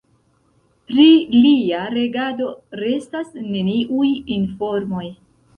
Pri lia regado restas neniuj informoj.